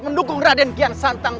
mendukung raden kian santang